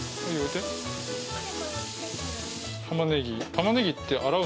玉ねぎ。